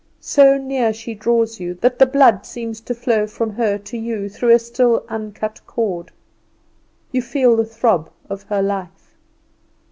So near she draws you, that the blood seems to flow from her to you, through a still uncut cord: you feel the throb of her life.